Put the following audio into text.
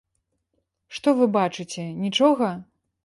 Што вы бачыце, нічога?